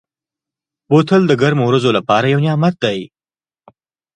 بوتل د ګرمو ورځو لپاره یو نعمت دی.